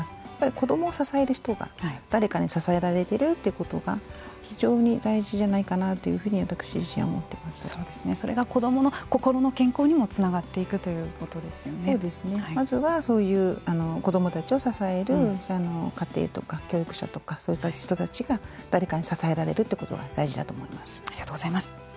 子どもを支える人が誰かに支えられてるということが非常に大事じゃないかなというふうにそれが子どもの心の健康にもつながっていくまずはそういう子どもたちを支える家庭とか教育者とかそういう人たちが誰かに支えられるということがありがとうございます。